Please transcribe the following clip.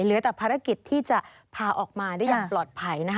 เหลือแต่ภารกิจที่จะพาออกมาได้อย่างปลอดภัยนะคะ